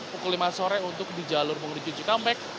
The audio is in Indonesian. pukul lima sore untuk di jalur mengarah ke cikampek